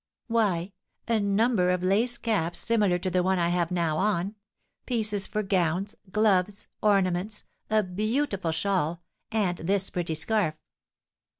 Why, a number of lace caps similar to the one I have now on, pieces for gowns, gloves, ornaments, a beautiful shawl, and this pretty scarf.